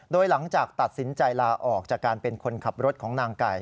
โดยหลังจากตัดสินใจลาออกจากการเป็นคนขับรถของนางไก่